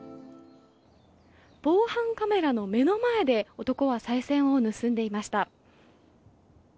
防犯カメラの目の前で男はさい銭を盗んでいました。